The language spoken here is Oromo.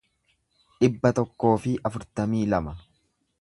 dhibba tokkoo fi afurtamii lama